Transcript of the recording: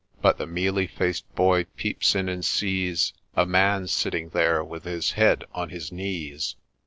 ' But the mealy faced boy peeps in and sees A man sitting there with his head on his knees